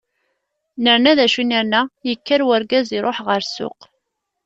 Nerna, d acu i nerna, yekker urgaz iruḥ ɣer ssuq.